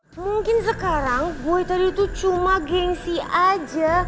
mungkin sekarang boy tadi tuh cuma gengsi aja